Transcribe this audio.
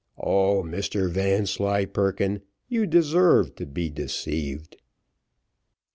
Oh! Mr Vanslyperken, you deserved to be deceived.